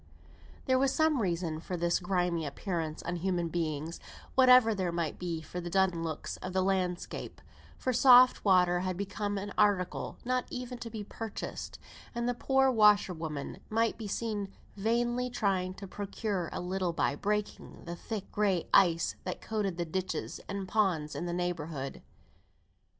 There was some reason for this grimy appearance on human beings, whatever there might be for the dun looks of the landscape; for soft water had become an article not even to be purchased; and the poor washerwomen might be seen vainly trying to procure a little by breaking the thick gray ice that coated the ditches and ponds in the neighbourhood.